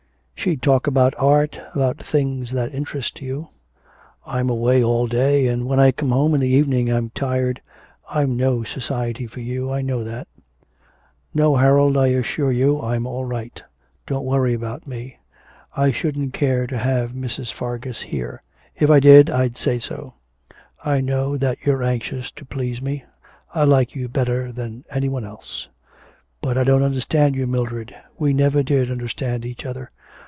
'She'd talk about art, about things that interest you. I'm away all day, and when I come home in the evening I'm tired. I'm no society for you, I know that.' 'No, Harold, I assure you I'm all right; don't worry about me. I shouldn't care to have Mrs. Fargus here. If I did I'd say so. I know that you're anxious to please me. I like you better than any one else.' 'But I don't understand you, Mildred. We never did understand each other.